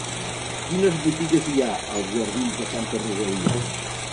Quines botigues hi ha als jardins de Santa Rosalia?